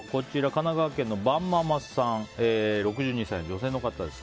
神奈川県、６２歳女性の方です。